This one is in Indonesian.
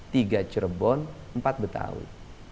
tiga cerbon empat betawi